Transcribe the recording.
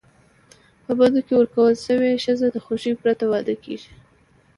په بدو کي ورکول سوي ښځي د خوښی پرته واده کيږي.